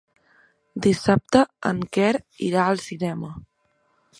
Dissabte en Quer irà al cinema.